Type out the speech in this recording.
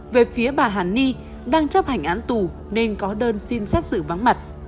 về phía bà hàn ni đang chấp hành án tù nên có đơn xin xét xử vắng mặt